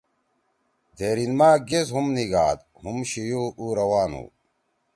دھیرِین ما گیس ہُوم نیِگھاد۔ ہُوم شِیو اُو روان ہُو۔